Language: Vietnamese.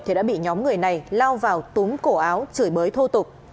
thì đã bị nhóm người này lao vào túm cổ áo chửi bới thô tục